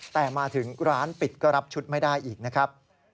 แต่มาถึงร้านปิดก็รับชุดไม่ได้อีกนะครับ